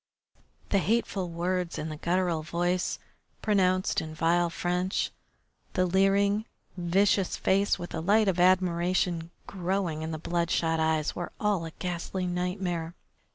The hateful words in the guttural voice, pronounced in vile French, the leering, vicious face with the light of admiration growing in the bloodshot eyes, were all a ghastly nightmare.